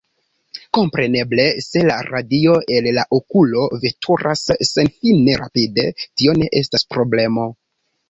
Kompreneble se la radio el la okulo veturas senfine rapide tio ne estas problemo.